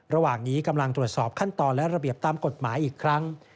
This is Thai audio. ระหว่างนี้กำลังตรวจสอบขั้นตอนและระเบียบตามกฎหมายอีกครั้ง